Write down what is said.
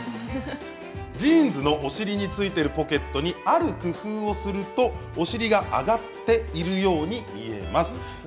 ジーンズのお尻についているポケットにある工夫をするとお尻が上がっているように見えます。